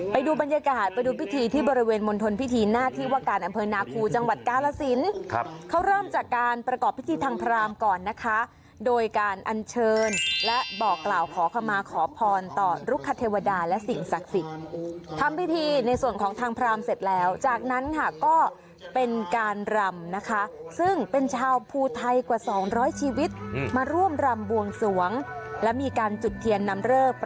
ไปดูบรรยากาศไปดูพิธีที่บริเวณมณฑนพิธีหน้าที่วักกาลอำเภอนาครูจังหวัดกาลสินครับเขาเริ่มจากการประกอบพิธีทางพราหมณ์ก่อนนะคะโดยการอันเชิญและบอกกล่าวขอคำมาขอพรต่อลุคคเทวดาและสิ่งศักดิ์ศิษย์ทำพิธีในส่วนของทางพราหมณ์เสร็จแล้วจากนั้นค่ะก็เป็นการรำนะคะซึ่งเป็นชา